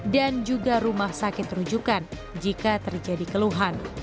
dan juga rumah sakit terujukan jika terjadi keluhan